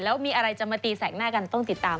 แล้วมีอะไรจะมาตีแสกหน้ากันต้องติดตาม